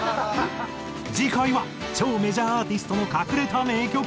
次回は超メジャーアーティストの隠れた名曲。